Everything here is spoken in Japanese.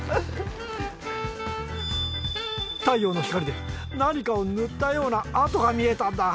太陽の光で何かを塗ったような跡が見えたんだ。